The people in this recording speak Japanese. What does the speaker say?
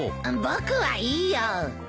僕はいいよ。